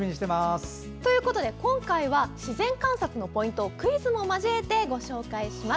今回は自然観察のポイントをクイズも交えてご紹介します。